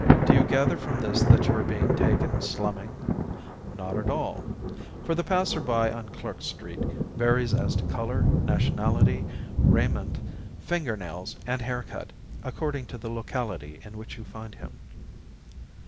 Do you gather from this that you are being taken slumming? Not at all. For the passer by on Clark Street varies as to color, nationality, raiment, finger nails, and hair cut according to the locality in which you find him.